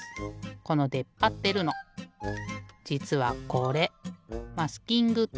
このでっぱってるのじつはこれマスキングテープ。